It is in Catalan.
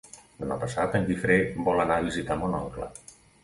Demà passat en Guifré vol anar a visitar mon oncle.